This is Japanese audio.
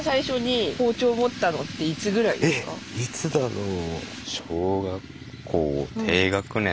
えっいつだろう。